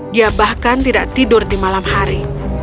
dia bahkan tidak tidur di malam hari